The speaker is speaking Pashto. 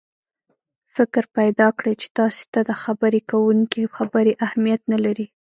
فکر پیدا کړي چې تاسې ته د خبرې کوونکي خبرې اهمیت نه لري.